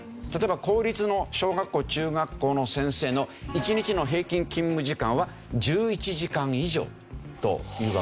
例えば公立の小学校中学校の先生の１日の平均勤務時間は１１時間以上というわけですね。